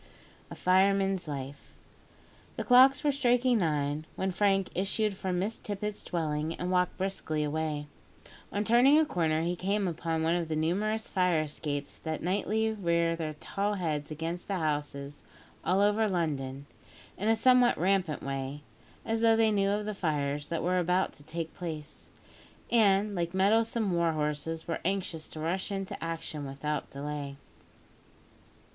A FIREMAN'S LIFE. The clocks were striking nine when Frank issued from Miss Tippet's dwelling and walked briskly away. On turning a corner he came upon one of the numerous fire escapes that nightly rear their tall heads against the houses all over London, in a somewhat rampant way, as though they knew of the fires that were about to take place, and, like mettlesome war horses, were anxious to rush into action without delay.